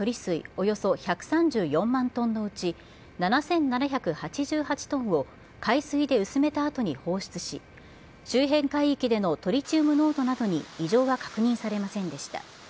およそ１３４万トンのうち、７７８８トンを海水で薄めたあとに放出し、周辺海域でのトリチウム濃度などに異常は確認されませんでした。